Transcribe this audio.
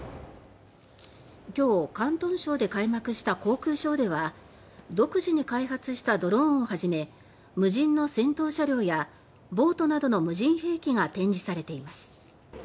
今日、広東省で開幕した航空ショーでは独自に開発したドローンをはじめ無人の戦闘車両やボートなどの無人兵器が展示されています。